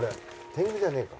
天狗じゃねえか。